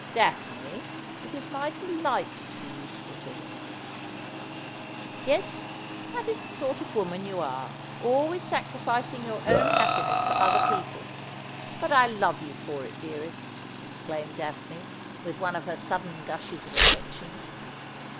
' Daphne, it is my delight to be useful to him.' ' Yes ; that is the sort of woman you are, always sacrificing your own happiness for other people. But I love you for it, dearest,' exclaimed Daphne, with one of her sudden gushes of affection.